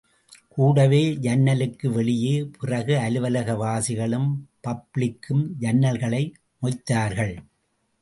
கூடவே, ஜன்னலுக்கு வெளியே, பிற அலுவலக வாசிகளும், பப்ளிக்கும் ஜன்னல்களை மொய்த்தார்கள்.